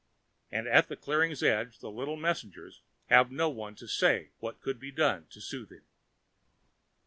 And at the clearing's edge the little messengers have no one to say what could be done to soothe him.